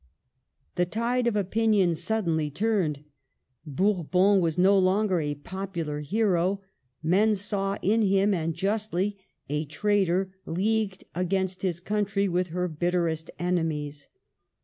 The tide of opinion suddenly turned. Bourbon was no longer a popular hero ; men saw in him, and justly, a traitor leagued against his country with her bitterest enemies.